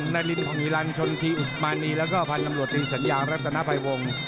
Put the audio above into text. นารินพ่อมีรันชนธีอุศมานีแล้วก็พันธ์นำรวชตีสัญญารัฐนาภัยวงศ์